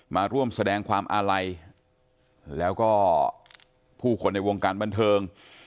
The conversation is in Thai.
มาร่วมแสดงความอาลัยแล้วก็ผู้คนในวงการบันเทิง